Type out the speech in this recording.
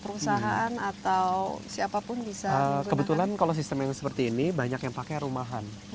perusahaan atau siapapun bisa kebetulan kalau sistem yang seperti ini banyak yang pakai rumahan